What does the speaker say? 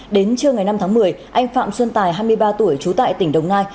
đến trưa ngày năm tháng một mươi anh phạm xuân tài hai mươi ba tuổi trú tại tỉnh đồng nai